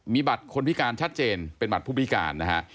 มีบัตรคนพิการชัดเจนเป็นบัตรผู้พิการนะฮะ